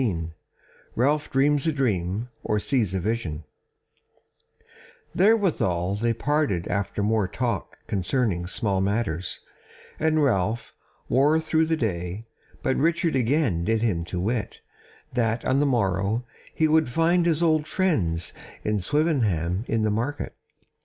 CHAPTER 15 Ralph Dreams a Dream Or Sees a Vision Therewithall they parted after more talk concerning small matters, and Ralph wore through the day, but Richard again did him to wit, that on the morrow he would find his old friends of Swevenham in the Market.